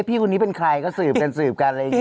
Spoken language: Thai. พี่คนนี้เป็นใครก็สืบกันสืบกัน